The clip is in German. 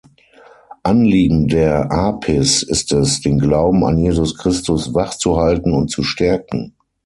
Anliegen der "Apis" ist es, den Glauben an Jesus Christus wachzuhalten und zu stärken.